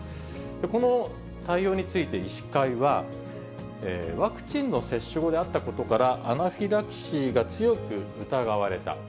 この対応について、医師会は、ワクチンの接種後であったことから、アナフィラキシーが強く疑われた。